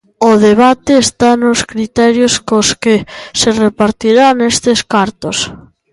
O debate está nos criterios cos que se repartirán estes cartos.